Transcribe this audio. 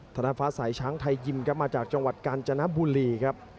ธนาฟ้าสายช้างไทยยิมครับมาจากจังหวัดกาญจนบุรีครับ